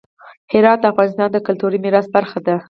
هرات د افغانستان د کلتوري میراث برخه ده.